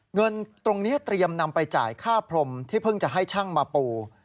เงินตรงนี้เตรียมนำไปจ่ายค่าพรมที่เพิ่งจะให้ช่างมาปู